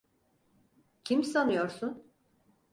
Kim sanıyorsun?